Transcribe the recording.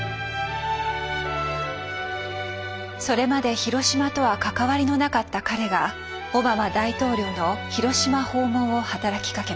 それまで広島とは関わりのなかった彼がオバマ大統領の広島訪問を働きかけます。